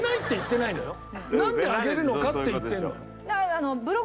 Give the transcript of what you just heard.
なんであげるのか？って言ってるの。